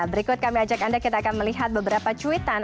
berikut kami ajak anda kita akan melihat beberapa cuitan